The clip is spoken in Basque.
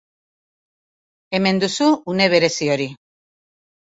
Hemen duzu une berezi hori.